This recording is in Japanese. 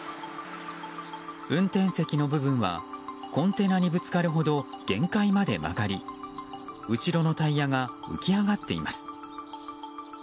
運転席の部分は、コンテナにぶつかるほど限界まで曲がり後ろのタイヤが浮き上がっています。